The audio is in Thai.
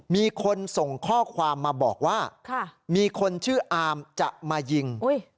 มีคนส่งข้อความมาบอกว่ามีคนชื่ออามจะมายิง